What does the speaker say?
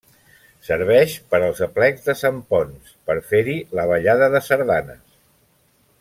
Serveix per als aplecs de Sant Ponç per fer-hi la ballada de sardanes.